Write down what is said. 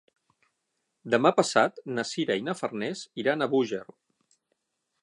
Demà passat na Sira i na Farners iran a Búger.